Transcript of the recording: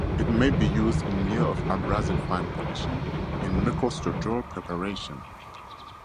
It may be used in lieu of abrasive fine polishing in microstructural preparation.